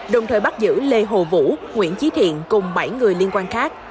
đồng thời bắt giữ lê hồ vũ nguyễn trí thiện cùng bảy người liên quan khác